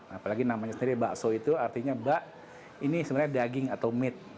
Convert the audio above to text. apalagi namanya sendiri bakso itu artinya bak ini sebenarnya daging atau mit